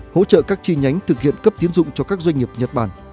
hỗ trợ các chi nhánh thực hiện cấp tiến dụng cho các doanh nghiệp nhật bản